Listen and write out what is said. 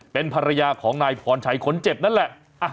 เป็นภรรยาของนายพรชัยคนเจ็บนั่นแหละ